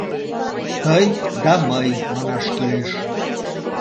— «Тый» да «мый» манаш кӱлеш.